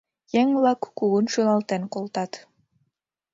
Еҥ-влак кугун шӱлалтен колтат.